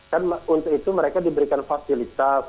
kan untuk itu mereka diberikan fasilitas